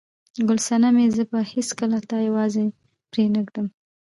ګل صنمې، زه به هیڅکله تا یوازې پرېنږدم.